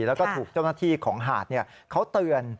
แล้วก็ถูกเจ้าหน้าที่ของหาดเขาเตือน